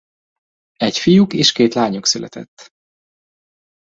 Egy fiuk és két lányuk született.